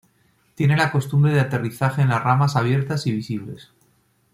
Tiene la costumbre de aterrizaje en las ramas abiertas y visibles.